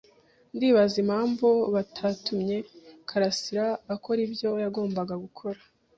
Ndibaza impamvu batatumye karasira akora ibyo yagombaga gukora.